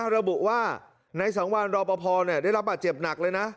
ระบุว่านายสังวานลอพอพอได้รับบัติเจ็บหนักเลยนะ